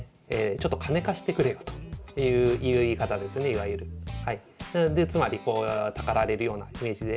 「ちょっと金かしてくれよ！」という言い方ですねいわゆる。でつまりこうたかられるような雰囲気で。